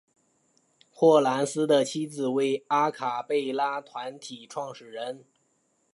霍蓝斯的妻子为阿卡贝拉团体创始人。